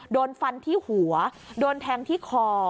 โดนฟันที่หัวโดนแทงที่คอ